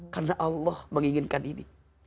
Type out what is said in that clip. karena allah menginginkan ini